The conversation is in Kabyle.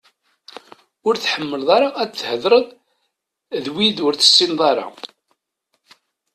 Ur tḥemmleḍ ara ad theḍṛeḍ d wid ur tessineḍ ara?